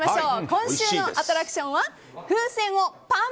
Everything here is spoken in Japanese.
今週のアトラクションは風船をＰａｎ！